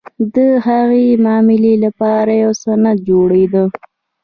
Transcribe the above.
د هرې معاملې لپاره یو سند جوړېده.